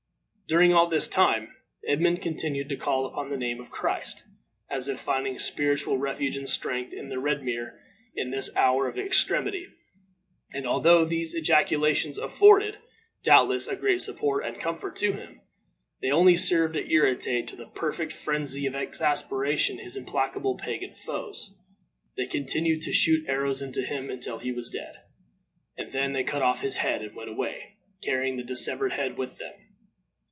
During all this time Edmund continued to call upon the name of Christ, as if finding spiritual refuge and strength in the Redeemer in this his hour of extremity; and although these ejaculations afforded, doubtless, great support and comfort to him, they only served to irritate to a perfect phrensy of exasperation his implacable pagan foes. They continued to shoot arrows into him until he was dead, and then they cut off his head and went away, carrying the dissevered head with them.